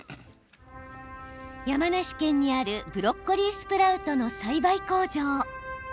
山梨県にあるブロッコリースプラウトの栽培工場。